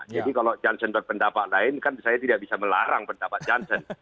jadi kalau jansen berpendapat lain kan saya tidak bisa melarang pendapat jansen